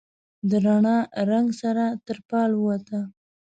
د رڼا، رنګ سره تر فال ووته